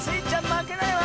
まけないわ！